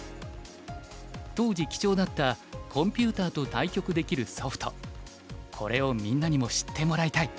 当時貴重だったコンピューターと対局できるソフト「これをみんなにも知ってもらいたい」